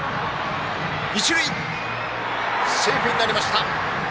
一塁、セーフになりました。